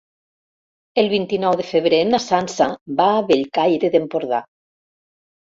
El vint-i-nou de febrer na Sança va a Bellcaire d'Empordà.